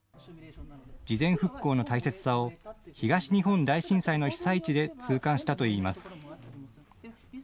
事前復興の大切さを東日本大震災の被災地で痛感したといいます。